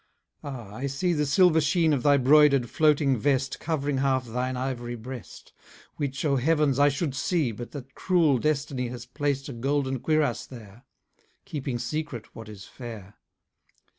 Ah! I see the silver sheen Of thy broidered, floating vest Cov'ring half thine ivory breast; Which, O heavens! I should see, But that cruel destiny Has placed a golden cuirass there; Keeping secret what is fair.